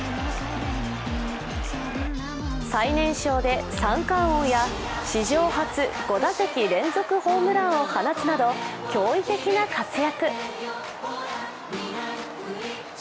最年少で三冠王や史上初５打席連続ホームランを放つなど驚異的な活躍。